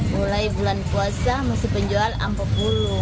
mulai bulan puasa masih penjual rp empat puluh